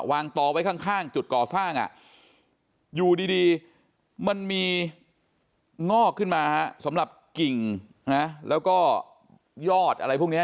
ตอไว้ข้างจุดก่อสร้างอยู่ดีมันมีงอกขึ้นมาสำหรับกิ่งแล้วก็ยอดอะไรพวกนี้